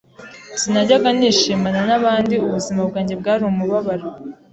sinajyaga nishimana n’abandi, ubuzima bwanjye bwari umubabaro